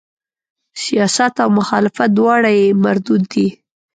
سیاست او مخالفت دواړه یې مردود دي.